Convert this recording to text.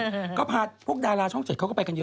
อ่าก็พาพวกดาราช่องเจ็ดเขาก็ไปกันเยอะ